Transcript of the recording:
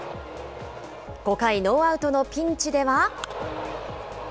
５回、ノーアウトのピンチでは。